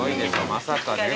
まさかね